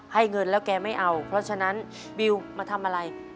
ให้เงินแล้วแกไม่เอาเพราะฉะนั้นบิวมาทำอะไร